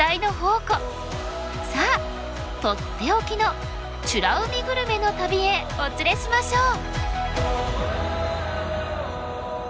さあとっておきの美ら海グルメの旅へお連れしましょう！